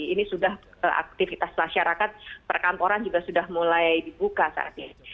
ini sudah aktivitas masyarakat perkantoran juga sudah mulai dibuka saat ini